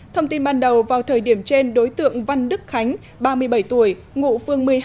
thông tin ban đầu vào thời điểm trên đối tượng văn đức khánh ba mươi bảy tuổi ngụ phương một mươi hai